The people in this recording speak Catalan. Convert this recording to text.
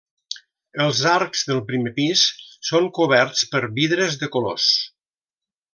Els arcs del primer pis són coberts per vidres de colors.